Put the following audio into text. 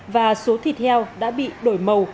và số thịt heo đã bị đổi màu